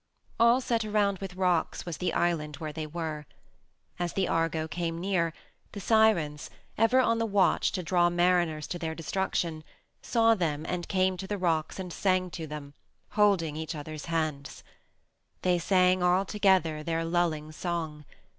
All set around with rocks was the island where they were. As the Argo came near, the Sirens, ever on the watch to draw mariners to their destruction, saw them and came to the rocks and sang to them, holding each other's hands. They sang all together their lulling song.